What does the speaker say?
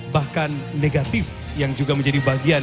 bahkan negatif yang juga menjadi bagian